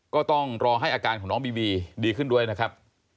ก็ต้องรอให้อาการของน้องบีบีดีขึ้นด้วยนะครับ